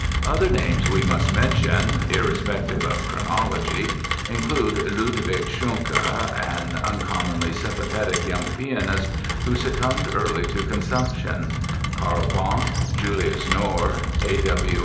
Other names we must mention—irrespective of chronology—include Ludwig Schunke, an uncommonly sympathetic young pianist, who succumbed early to consumption; Carl Banck, Julius Knorr, A.